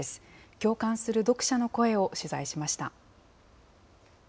共感する読者の声を取材しました。